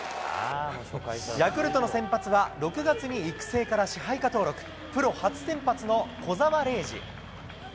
ヤクルトの先発は、６月に育成から支配下登録、プロ初先発の小澤怜史。